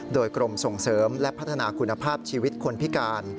โดยกรมส่งเสริมและพัฒนาคุณภาพชีวิตคนพิการ